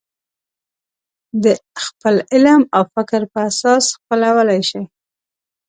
د خپل علم او فکر په اساس خپلولی شي.